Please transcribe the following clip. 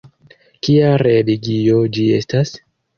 Kia religio ĝi estas?